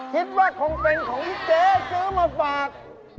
คิดว่าคงเป็นของเจ๊ซื้อมาฝาก